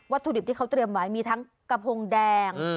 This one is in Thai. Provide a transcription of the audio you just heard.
ถุดิบที่เขาเตรียมไว้มีทั้งกระพงแดง